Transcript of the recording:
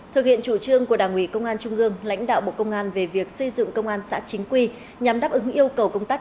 thực hiện chủ trương của đảng ủy công an trung ương lãnh đạo bộ công an về việc xây dựng công an